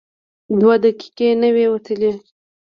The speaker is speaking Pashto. دوه دقیقې نه وې وتلې.